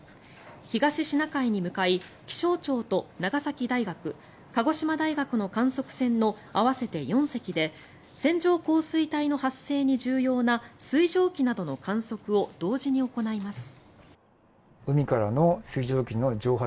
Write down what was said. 東シナ海に向かい気象庁と長崎大学、鹿児島大学の観測船の合わせて４隻で線状降水帯の発生に重要な水蒸気などの観測を同時に行います。